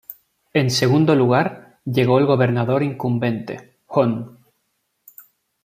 En segundo lugar, llegó el Gobernador incumbente, Hon.